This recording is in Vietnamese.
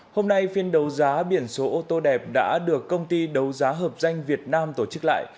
hôm nay phiên đấu giá biển số ô tô đẹp đã được công ty đấu giá hợp danh việt nam tổ chức lại